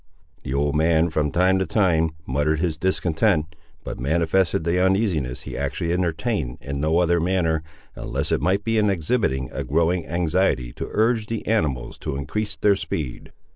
The old man, from time to time, muttered his discontent, but manifested the uneasiness he actually entertained in no other manner, unless it might be in exhibiting a growing anxiety to urge the animals to increase their speed.